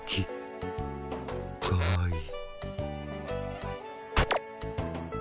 かわいい。